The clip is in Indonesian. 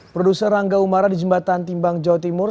produser rangga umara di jembatan timbang jawa timur